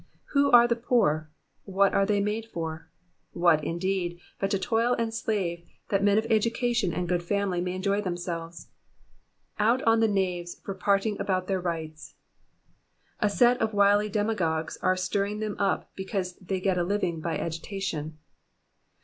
Who are the poor? What are they made for ? What, indeed, but to toil and slave that men of education and ^ood family may enjoy themselves ? Out on the knaves for prating about their rights 1 A set of wily demagogues are stirring them up, because they get a living by agitation.